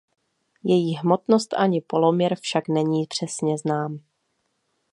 Její hmotnost ani poloměr však není přesně znám.